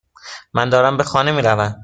من دارم به خانه میروم.